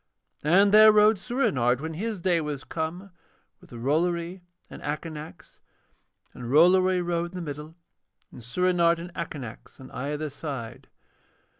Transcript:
And there rode Soorenard, when his day was come, with Rollory and Akanax, and Rollory rode in the middle and Soorenard and Akanax on either side.